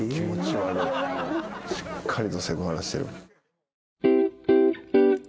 しっかりとセクハラしてる。